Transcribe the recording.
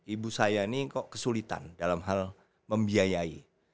ibu saya ini kok kesulitan dalam hal membiayai